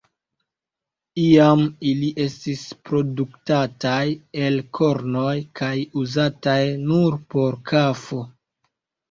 Iam ili estis produktataj el kornoj kaj uzataj nur por kafo.